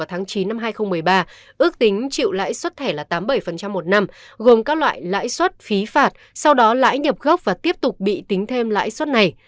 tháng chín năm hai nghìn một mươi ba ước tính chịu lãi suất thẻ là tám mươi bảy một năm gồm các loại lãi suất phí phạt sau đó lãi nhập gốc và tiếp tục bị tính thêm lãi suất này